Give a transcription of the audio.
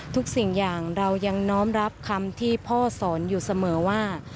สิ่งอย่างเรายังน้อมรับคำที่พ่อสอนอยู่เสมอว่า